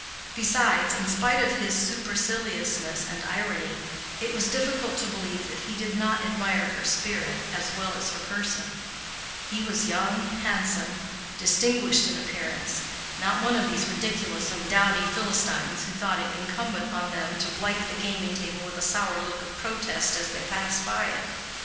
Besides, in spite of his superciliousness and irony, it was difficult to believe that he did not admire her spirit as well as her person: he was young, handsome, distinguished in appearance—not one of these ridiculous and dowdy Philistines who thought it incumbent on them to blight the gaming table with a sour look of protest as they passed by it.